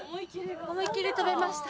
思いっきり跳べました。